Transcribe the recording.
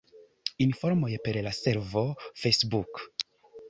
Informoj per la servo Facebook.